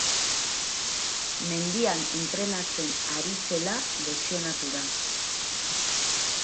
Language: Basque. Mendian entrenatzen ari zela lesionatu da.